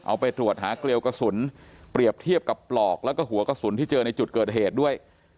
เอาไปตรวจหาเกลียวกระสุนเปรียบเทียบกับปลอกแล้วก็หัวกระสุนที่เจอในจุดเกิดเหตุด้วย